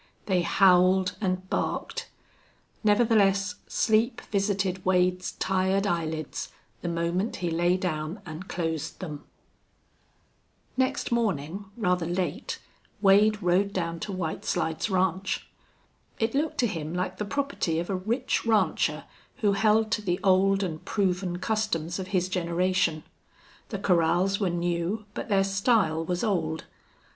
They howled and barked. Nevertheless sleep visited Wade's tired eyelids the moment he lay down and closed them. Next morning, rather late, Wade rode down to White Slides Ranch. It looked to him like the property of a rich rancher who held to the old and proven customs of his generation. The corrals were new, but their style was old.